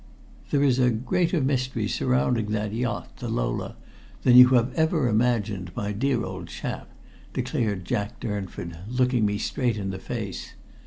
"There is a greater mystery surrounding that yacht, the Lola, than you have ever imagined, my dear old chap," declared Jack Durnford, looking me straight in the face.